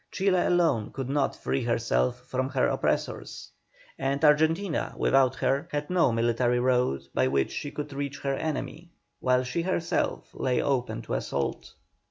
Chile alone could not free herself from her oppressors, and Argentina without her had no military road by which she could reach her enemy, while she herself lay open to assault.